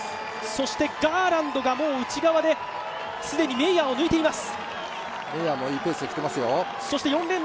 そしてガーランドがもう内側で既にメイヤーを抜いています。